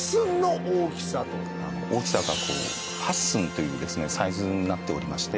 大きさがこう８寸というサイズになっておりまして。